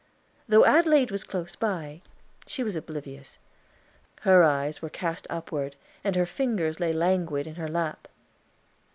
Though Adelaide was close by, she was oblivious; her eyes were cast upward and her fingers lay languid in her lap.